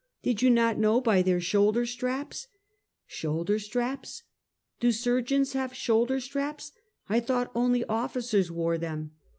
" Did you not know by their shoulderstraps?" " Shoulderstraps ? Do surgeons have shoulderstraps ? I thought only officers wore them!"